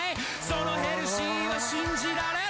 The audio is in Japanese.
そのヘルシーは信じられる？